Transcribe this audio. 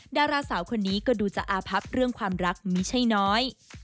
ดาราสาวคนนี้ก็ดูจะอาพับเรื่องความรักไม่ใช่น้อย